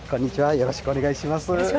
よろしくお願いします。